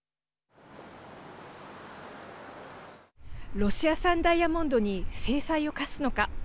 ロシア産ダイヤモンドに制裁を科すのか。